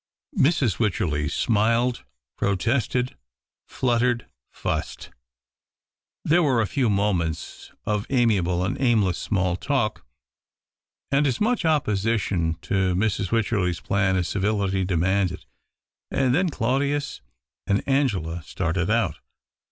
Mrs. Wycherley smiled, protested, fluttered, fussed. There were a few moments of amiable and aimless small talk, and as much opposition to Mrs. Wycherley 's plan as civility demanded. And then Claudius and Angela started out.